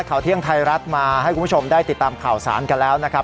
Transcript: ข่าวเที่ยงไทยรัฐมาให้คุณผู้ชมได้ติดตามข่าวสารกันแล้วนะครับ